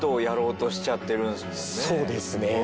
そうですね。